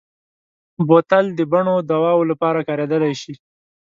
بوتل د بڼو دواوو لپاره کارېدلی شي.